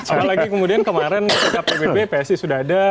apalagi kemudian kemarin di kpbb psi sudah ada